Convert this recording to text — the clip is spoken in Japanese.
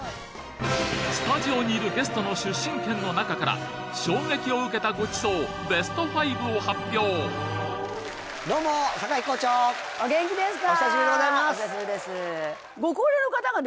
スタジオにいるゲストの出身県の中から衝撃を受けたごちそうベスト５を発表って言われるんですよ。